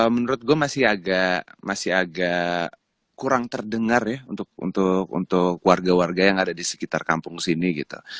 menurut gue masih agak kurang terdengar ya untuk warga warga yang ada di sekitar kampung sini gitu